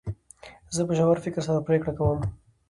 زه په ژور فکر سره پرېکړي کوم.